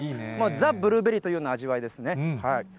ザ・ブルーベリーというような味わいですね。